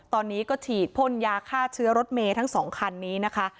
ตอนนี้ก็ฉีดพ่นยาฆ่าเชื้อรถเมย์ทั้งสองคันนี้นะคะ